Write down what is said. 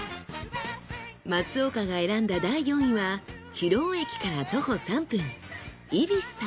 松岡が選んだ第４位は広尾駅から徒歩３分。